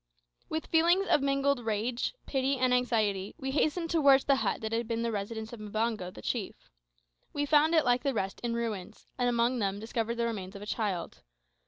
With feelings of mingled rage, pity, and anxiety, we hastened towards the hut that had been the residence of Mbango, the chief. We found it, like the rest, in ruins, and among them discovered the remains of a child.